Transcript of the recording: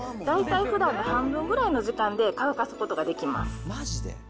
大体ふだんの半分くらいの時間で乾かすことができます。